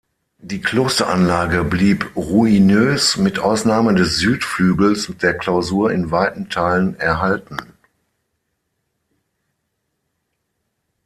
Die Klosteranlage blieb ruinös mit Ausnahme des Südflügels der Klausur in weiten Teilen erhalten.